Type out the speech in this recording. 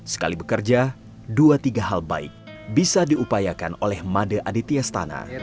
sekali bekerja dua tiga hal baik bisa diupayakan oleh made aditya stana